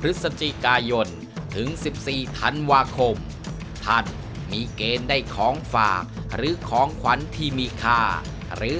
พฤศจิกายนถึง๑๔ธันวาคมท่านมีเกณฑ์ได้ของฝากหรือของขวัญที่มีค่าหรือ